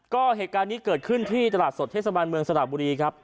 ก็เหตุการณ์นี้เกิดขึ้นที่ตลาดสดเทศบาลเมืองสระบุรีครับ